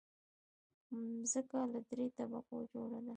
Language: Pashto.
مځکه له دریو طبقو جوړه ده.